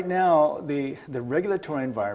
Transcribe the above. alam regulasi menjaga